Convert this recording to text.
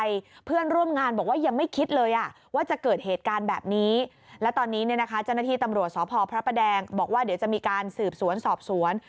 เดี๋ยวจะมีการสืบสวนสอบสวน